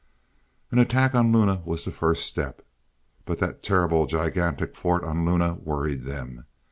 An attack on Luna was the first step. But that terrible, gigantic fort on Luna worried them.